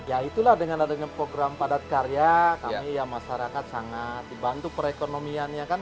ya itulah dengan adanya program padat karya kami ya masyarakat sangat dibantu perekonomiannya kan